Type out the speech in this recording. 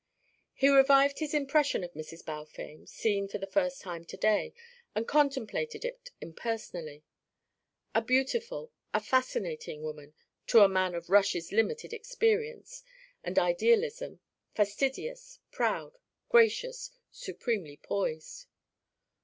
He revived his impression of Mrs. Balfame, seen for the first time to day, and contemplated it impersonally: A beautiful, a fascinating woman to a man of Rush's limited experience and idealism; fastidious, proud, gracious, supremely poised.